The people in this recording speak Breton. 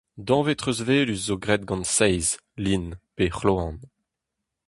Danvez treuzwelus zo graet gant seiz, lin pe c'hloan.